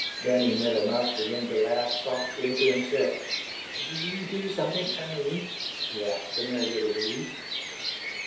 Danny Meadow Mouse began to laugh softly to himself. "Will you do something for me?" he asked the Merry Little Breeze.